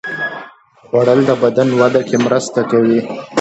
خوړل د بدن وده کې مرسته کوي